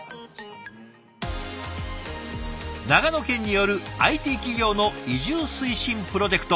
長野県によるＩＴ企業の移住推進プロジェクト